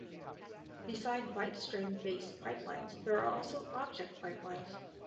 Beside byte stream-based pipelines, there are also object pipelines.